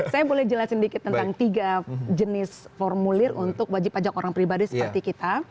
saya boleh jelasin dikit tentang tiga jenis formulir untuk wajib pajak orang pribadi seperti kita